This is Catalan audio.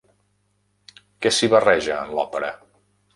Què s'hi barreja en l'òpera?